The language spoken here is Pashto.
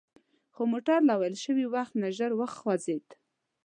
خو موټر له ویل شوي وخت نه ژر وخوځید.